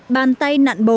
bàn tay nặn bột